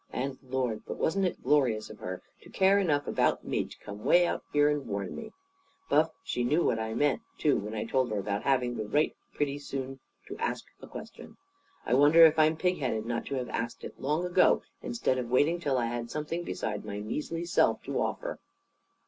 And, Lord, but wasn't it glorious of her to care enough about me to come 'way out here and warn me! Buff, she knew what I meant, too, when I told her about having the right pretty soon to 'ask a question.' I wonder if I'm pig headed not to have asked it long ago instead of waiting till I had something besides my measly self to offer?"